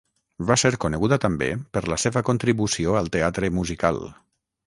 Va ser coneguda també per la seva contribució al teatre musical.